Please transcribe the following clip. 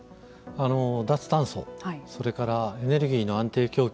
脱炭素それからエネルギーの安定供給